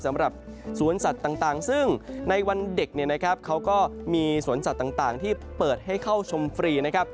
สำหรับสวนสัตว์ต่างซึ่งในวันเด็กเนี่ยนะครับเขาก็มีสวนสัตว์ต่างที่เปิดให้เข้าชมฟรีนะครับ